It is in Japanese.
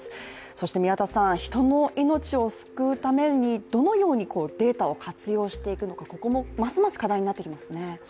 そして宮田さん、人の命を救うためにどのようにデータを活用していくのか、ここも、ますます課題になってきますね。